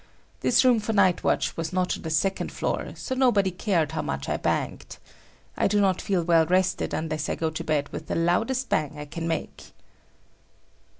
This room for night watch was not on the second floor, so nobody cared how much I banged. I do not feel well rested unless I go to bed with the loudest bang I can make.